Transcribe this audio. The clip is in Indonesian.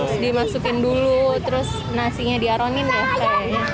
terus dimasukin dulu terus nasinya diaronin ya kayaknya